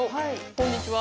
こんにちは。